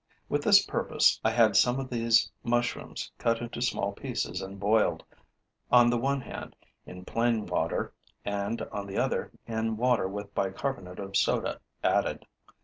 With this purpose, I had some of these mushrooms cut into small pieces and boiled, on the one hand, in plain water and, on the other, in water with bicarbonate of soda added.